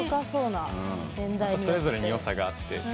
それぞれによさがあって。